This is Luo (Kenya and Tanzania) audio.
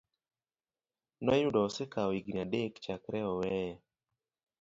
Noyudo osekawo higini adek chakre oweye.